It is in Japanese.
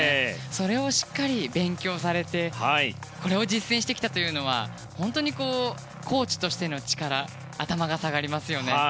それをしっかり勉強されてこれを実践してきたというのは本当にコーチとしての力頭が下がりますよね。